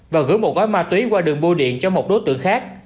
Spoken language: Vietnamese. và gửi một gói ma túy qua đường bô điện cho một đối tượng khác